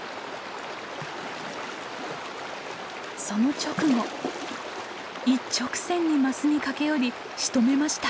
その直後一直線にマスに駆け寄りしとめました。